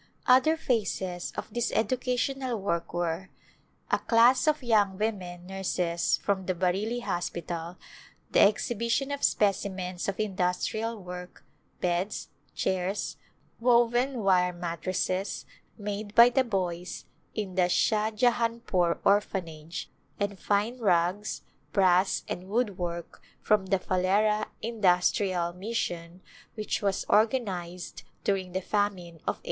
Other phases of this educational work were : A class of young women nurses from the Bareilly Hos pital ; the exhibition of specimens of industrial work — beds, chairs, woven wire mattresses — made by the boys in the Shahjahanpore Orphanage ; and fine rugs, brass and woodwork from the Phalera Industrial Mis A Glimpse of India sion which was organized during the famine of 1898.